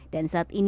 dan saat ini selesai